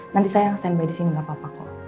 nanti saya yang standby di sini gak apa apa kok